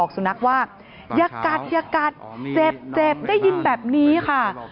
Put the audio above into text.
สุนัขว่าอย่ากัดอย่ากัดเจ็บเจ็บได้ยินแบบนี้ค่ะ